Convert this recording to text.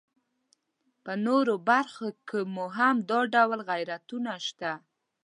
په نورو برخو کې مو هم دا ډول غیرتونه شته.